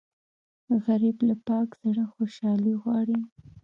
غریب له پاک زړه خوشالي غواړي